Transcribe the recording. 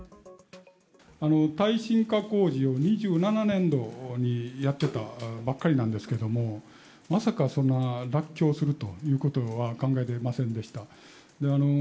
耐震化工事を２７年度にやってたばっかりなんですけど、まさか、そんな落橋するということは考えていませんでした。